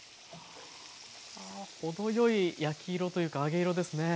程よい焼き色というか揚げ色ですね。